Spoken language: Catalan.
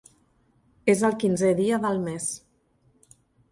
És el quinzè dia del mes.